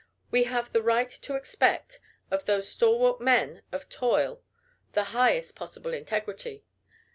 We have the right to expect of those stalwart men of toil the highest possible integrity.